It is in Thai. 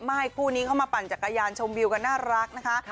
คู่นี้เข้ามาปั่นจักรยานชมวิวกันน่ารักนะคะ